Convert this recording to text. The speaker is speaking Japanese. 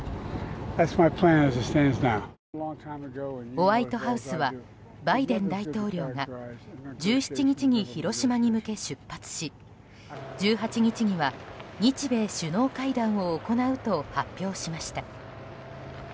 ホワイトハウスはバイデン大統領が１７日に広島に向け出発し１８日には日米首脳会談を行うと発表しました。